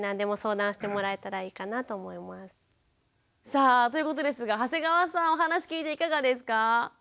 さあということですが長谷川さんお話聞いていかがですか？